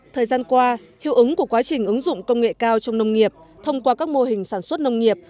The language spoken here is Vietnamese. thời gian qua hiệu ứng của quá trình ứng dụng công nghệ cao trong nông nghiệp thông qua các mô hình sản xuất nông nghiệp